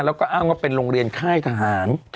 แล้วก็อ้างว่าเป็นโรงเรียนค่ายทหาร